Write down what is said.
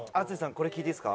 これ聞いていいですか？